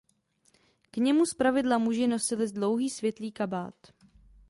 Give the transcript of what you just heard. K němu zpravidla muži nosili dlouhý světlý kabát.